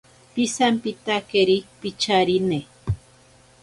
Pisampitakeri picharine.